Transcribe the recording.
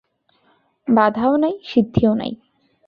বাধাও নাই, সিদ্ধিও নাই।